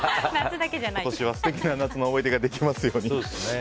今年は素敵な夏の思い出ができますように。